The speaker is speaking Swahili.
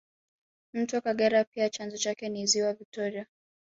Mto Kagera pia chanzo chake ni ziwa Viktoria